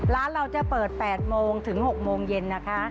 ร้านเราจะเปิด๘โมงถึง๖โมงเย็นนะคะ